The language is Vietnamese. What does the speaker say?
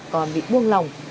còn bị buông lỏng